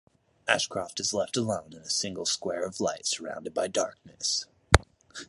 Ashcroft is left alone in a single square of light surrounded by darkness.